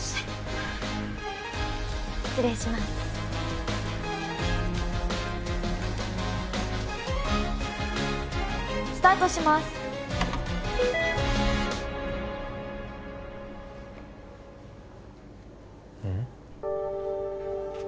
はい失礼しますスタートしますうん？